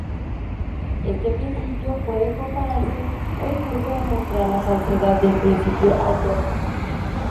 Este principio puede compararse o incluso demostrar la falsedad del principio antrópico.